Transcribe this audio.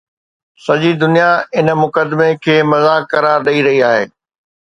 سڄي دنيا ان مقدمي کي مذاق قرار ڏئي رهي آهي.